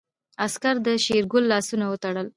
عسکر د شېرګل لاسونه وتړل.